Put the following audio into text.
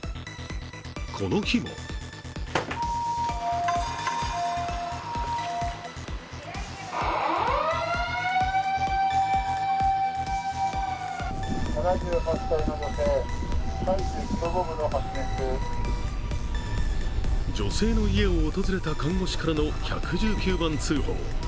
この日も女性の家を訪れた看護師からの１１９番通報。